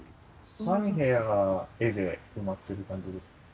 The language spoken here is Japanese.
３部屋が絵で埋まってる感じですか？